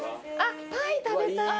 パイ食べたい。